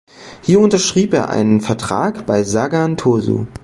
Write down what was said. Hier unterschrieb er einen Vertrag bei Sagan Tosu.